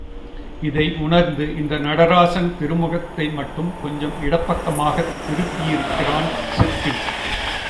இதை உணர்ந்து இந்த நடராஜன் திருமுகத்தை மட்டும் கொஞ்சம் இடப்பக்கமாகத் திருப்பியிருக்கிறான் சிற்பி.